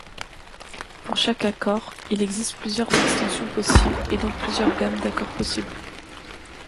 Pour chaque accord il existe plusieurs extensions possibles et donc plusieurs gammes d'accord possibles.